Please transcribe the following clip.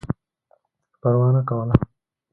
پروا نه کوله.